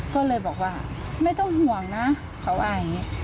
ก็เลยบอกว่าไม่ต้องห่วงนะเผาไหว